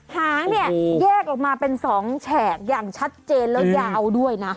หางเนี่ยแยกออกมาเป็น๒แฉกอย่างชัดเจนแล้วยาวด้วยนะ